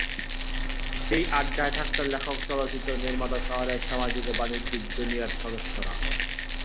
সেই আড্ডায় থাকতেন লেখক, চলচ্চিত্র নির্মাতা, শহরের সামাজিক ও বাণিজ্যিক দুনিয়ার সদস্যরা।